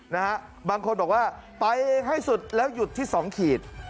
นะฮะบางคนบอกว่าไปให้สุดแล้วหยุดที่สองขีด